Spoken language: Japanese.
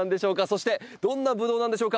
そしてどんなブドウなんでしょうか？